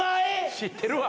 知ってるわ。